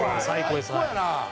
「最高です」